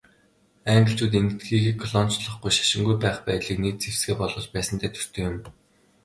Англичууд Энэтхэгийг колоничлохгүй, шашингүй байх байдлыг нэг зэвсгээ болгож байсантай төстэй юм.